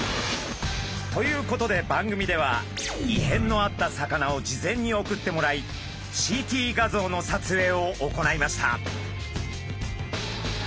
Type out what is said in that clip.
ということで番組では異変のあった魚を事前に送ってもらいＣＴ画像の撮影を行いました。